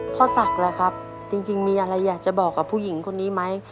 พ่อศักดิ์ล่ะครับจริงมีอะไรอยากจะบอกกับผู้หญิงคนนี้ไหม